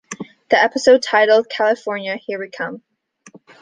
The episode, titled California, Here We Come!